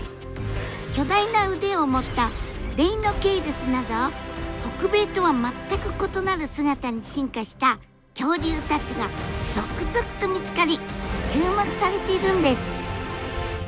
巨大な腕を持ったデイノケイルスなど北米とは全く異なる姿に進化した恐竜たちが続々と見つかり注目されているんです。